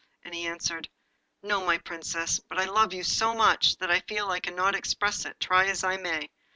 And he answered 'No, my Princess; but I love you so much that I feel I cannot express it, try as I may.